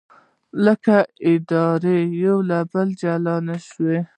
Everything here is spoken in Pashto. لیک او اداره یو له بله جلا نه شول.